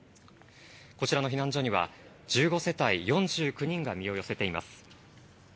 こちらの避難所には１５世帯４９人が身を寄せています。